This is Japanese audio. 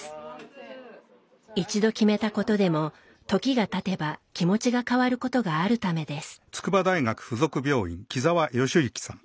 一度決めたことでも時がたてば気持ちが変わることがあるためです。